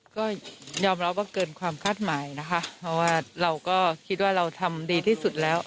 ก็ยอมรับว่าเกินความคาดหมายนะคะเพราะว่าเราก็คิดว่าเราทำดีที่สุดแล้ว